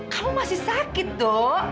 kamu masih sakit dok